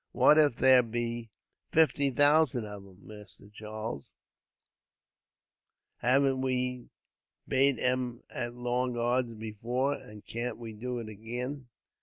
What if there be fifty thousand of 'em, Mister Charles, haven't we bate 'em at long odds before, and can't we do it agin?"